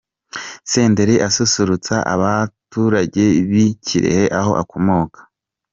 Senderi asusurutsa abaturage b'i Kirehe aho akomoka.